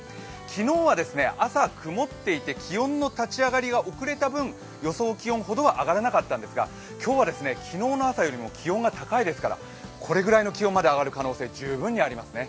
昨日は朝曇っていて、気温の立ち上がりが遅れた分遅れた分、予想気温ほどは上がらなかったんですが今日は昨日の朝よりも気温が高いですからこれぐらいの気温まで上がる可能性十分ありますね。